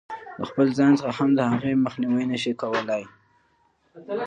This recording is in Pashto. د خپل ځان څخه هم د هغې مخنیوی نه شي کولای.